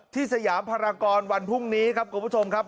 สยามภารกรวันพรุ่งนี้ครับคุณผู้ชมครับ